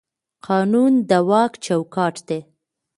قانون د واک چوکاټ دی